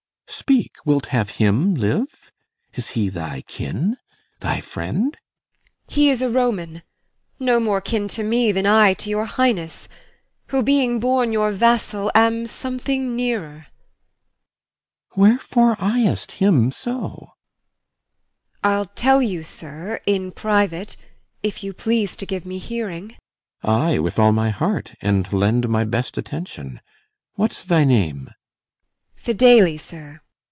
Speak, Wilt have him live? Is he thy kin? thy friend? IMOGEN. He is a Roman, no more kin to me Than I to your Highness; who, being born your vassal, Am something nearer. CYMBELINE. Wherefore ey'st him so? IMOGEN. I'll tell you, sir, in private, if you please To give me hearing. CYMBELINE. Ay, with all my heart, And lend my best attention. What's thy name? IMOGEN. Fidele, sir.